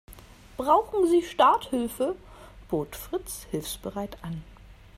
Brauchen Sie Starthilfe?, bot Fritz hilfsbereit an.